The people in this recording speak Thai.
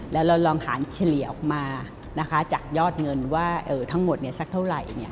แล้วเราลองหารเฉลี่ยออกมาจากยอดเงินว่าทั้งหมดสักเท่าไหร่